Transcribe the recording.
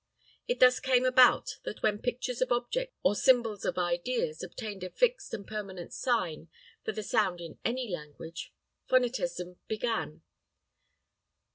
It thus came about that when pictures of objects or symbols of ideas obtained a fixed and permanent sign for the sound in any language phonetism began.